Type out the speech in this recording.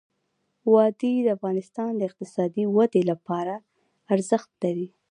وادي د افغانستان د اقتصادي ودې لپاره ارزښت لري.